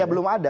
ya belum ada